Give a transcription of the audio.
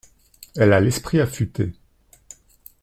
Elle a l’esprit affuté.